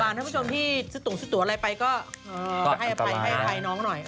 ท่านผู้ชมที่ซึ่งตุ๋วอะไรไปก็ให้อภัยน้องหน่อย